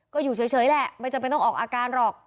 ก็อยู่เฉยแหละไม่จำเป็นต้องออกอาการหรอก